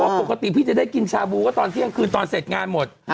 ปกติพี่จะได้กินชาบูก็ตอนเที่ยงคืนตอนเสร็จงานหมด